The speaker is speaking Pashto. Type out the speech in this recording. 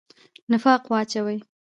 نفاق واچوي.